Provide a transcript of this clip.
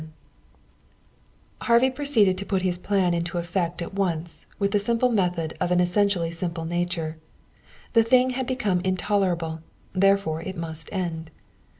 XX Harvey proceeded to put his plan into effect at once, with the simple method of an essentially simple nature. The thing had become intolerable; therefore it must end.